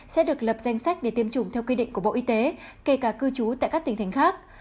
sẽ được lập danh sách để tiêm chủng theo quy định của bộ y tế kể cả cư trú tại các tỉnh thành khác